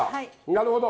なるほど！